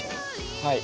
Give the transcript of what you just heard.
はい。